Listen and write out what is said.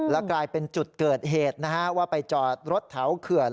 แล้วกลายเป็นจุดเกิดเหตุนะฮะว่าไปจอดรถแถวเขื่อน